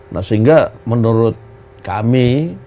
nah sehingga menurut kami